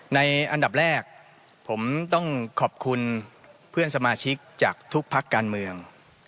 ในอันดับแรกผมต้องขอบคุณเพื่อนสมาชิกจากทุกพักการเมือง